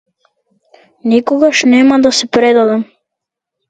Никогаш нема да се предадам.